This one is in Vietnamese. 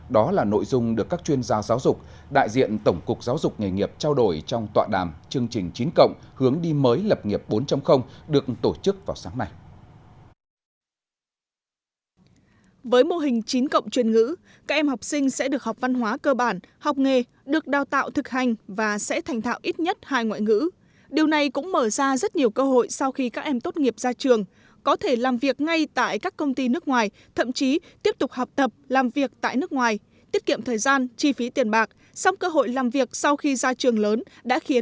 đó là nội dung được các chuyên gia giáo dục đại diện tổng cục giáo dục nghề nghiệp trao đổi trong tọa đàm chương trình chín hướng đi mới lập nghiệp bốn được tổ chức vào sáng nay